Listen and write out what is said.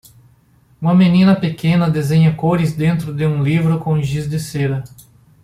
Uma menina pequena desenha cores dentro de um livro com giz de cera